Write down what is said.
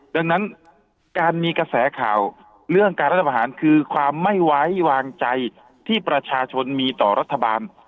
ดังนั้นการมีกระแสข่าวเรื่องการรัฐประหารคือความไม่ไว้วางใจที่ประชาชนมีต่อรัฐบาล